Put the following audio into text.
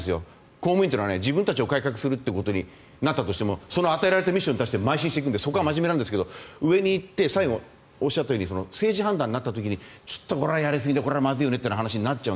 公務員は自分たちを改革することになったとしてもその与えられたミッションに対してまい進していくのでそこは真面目なんですけど上に行って最後、おっしゃったように政治判断になった時にこれはやりすぎこれはまずいよねという話になる。